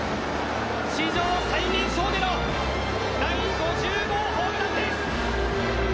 史上最年少での第５０号ホームランです。